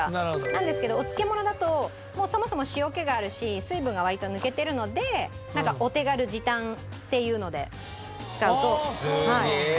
なんですけどお漬物だとそもそも塩気があるし水分が割と抜けてるのでお手軽時短っていうので使うといいみたい。